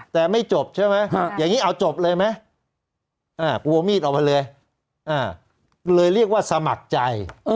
แต่ไม่จบใช่ไหมอย่างนี้เอาจบเลยไหมกลัวมีดออกมาเลยเลยเรียกว่าสมัครใจ